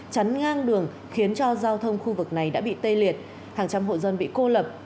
chắn ngang đường khiến cho giao thông khu vực này đã bị tê liệt hàng trăm hộ dân bị cô lập